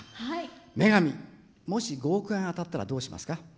女神、もし５億円当たったらどうしますか？